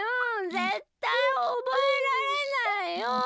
ぜったいおぼえられないよ。